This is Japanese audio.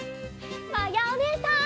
まやおねえさん！